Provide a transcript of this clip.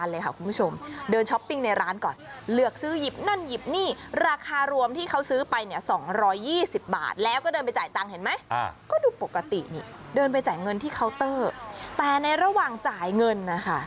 แล้วเดินเข้าไปในร้านคือเขาก็หลืบเลือกซื้อสินค้าหลายรายการเลยค่ะคุณผู้ชม